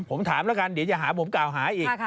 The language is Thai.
ผมถามแล้วกันเดี๋ยวจะหาผมกล่าวหาอีก